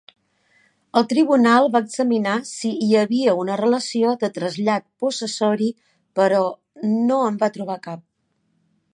El tribunal va examinar si hi havia una relació de trasllat possessori però no en va trobar cap.